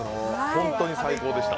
本当に最高でした。